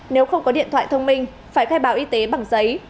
nếu không có điện thoại thông minh phải khai báo y tế bằng giấy